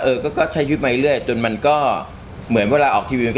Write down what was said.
เออก็ใช้ชีวิตมาเรื่อยจนมันก็เหมือนเวลาออกทีวีก็